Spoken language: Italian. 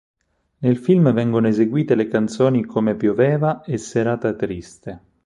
Nel film vengono eseguite le canzoni "Come pioveva" e "Serata triste".